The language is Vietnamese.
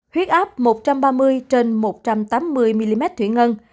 huyết áp một trăm ba mươi trên một trăm tám mươi mm thủy ngân